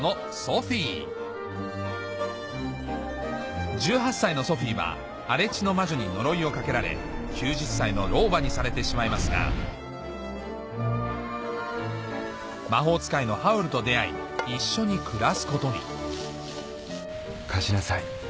続いて１８歳のソフィーは荒地の魔女に呪いをかけられ９０歳の老婆にされてしまいますが魔法使いのハウルと出会い一緒に暮らすことに貸しなさい。